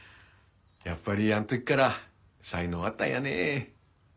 やっぱりあん時から才能あったんやね。